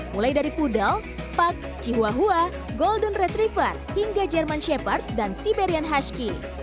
mulai dari poodle pug chihuahua golden retriever hingga german shepherd dan siberian husky